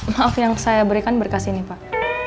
maaf yang saya berikan berkas ini pak